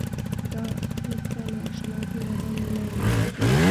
دا څوک په نا اشنايۍ کې راباندې مينه ده.